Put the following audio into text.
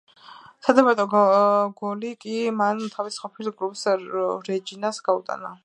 სადებიუტო გოლი კი მან თავის ყოფილ კლუბს რეჯინას გაუტანა.